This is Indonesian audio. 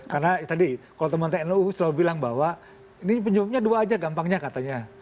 karena tadi kalau teman tnu selalu bilang bahwa ini penyebabnya dua aja gampangnya katanya